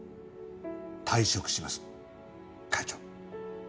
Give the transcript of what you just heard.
退職します会長。